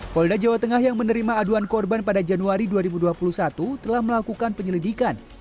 polda jawa tengah yang menerima aduan korban pada januari dua ribu dua puluh satu telah melakukan penyelidikan